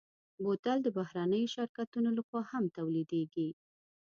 بوتل د بهرنيو شرکتونو لهخوا هم تولیدېږي.